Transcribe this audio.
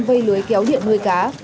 vây lưới kéo điện nuôi cá